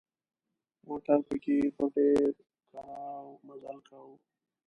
موټرو پکې په ډېر کړاو مزل کاوه.